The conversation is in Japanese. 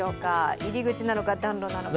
入り口なのか、暖炉なのか。